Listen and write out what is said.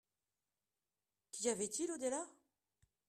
Qu'y avait-il au déla?